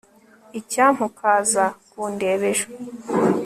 icyampa ukaza kundeba ejo